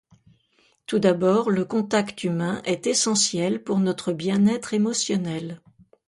Tout d'abord, le contact humain est essentiel pour notre bien-être émotionnel.